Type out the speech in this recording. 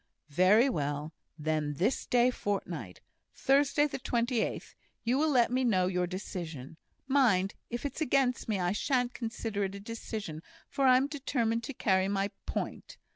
"Very well. Then this day fortnight Thursday the 28th you will let me know your decision. Mind! if it's against me, I shan't consider it a decision, for I'm determined to carry my point.